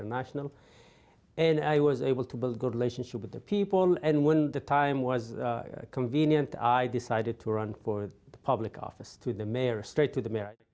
dan ketika waktu itu mudah saya memutuskan untuk berusaha untuk berusaha di pejabat publik